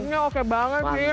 ini oke banget sih